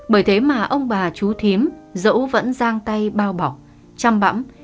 bởi thế mà ông bà chú thím dẫu vẫn giang tay bao bọc chăm bẫm